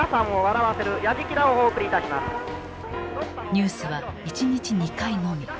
ニュースは１日２回のみ。